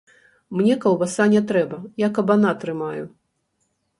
Мне каўбаса не трэба, я кабана трымаю!